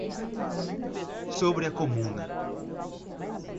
Sobre a Comuna